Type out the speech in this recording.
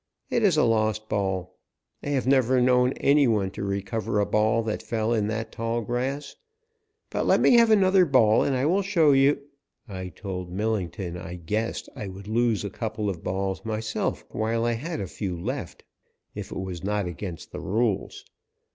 It is a lost ball. I have never known any one to recover a ball that fell in that tall grass. But let me have another ball and I will show you " I told Millington I guessed I would lose a couple of balls myself while I had a few left, if it was not against the rules.